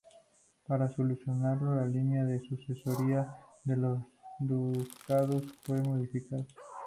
Para solucionarlo la línea de sucesoria de los ducados fue modificada.